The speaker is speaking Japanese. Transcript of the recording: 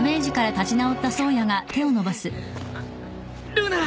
ルナ。